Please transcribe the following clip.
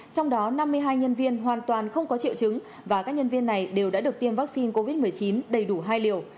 trong đó năm mươi hai nhân viên hoàn toàn không có triệu chứng và các nhân viên này đều đã được tiêm vaccine covid một mươi chín đầy đủ hai liều